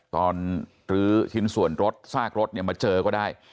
หรือชิ้นส่วนรถซากรถเนี่ยมาเจอก็ได้